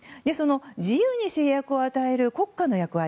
自由に制約を与える国家の役割